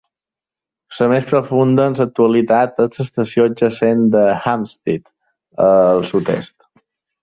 La més profunda en l'actualitat és l'estació adjacent de Hampstead, al sud-est.